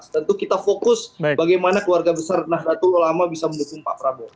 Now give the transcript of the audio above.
tentu kita fokus bagaimana keluarga besar nahdlatul ulama bisa mendukung pak prabowo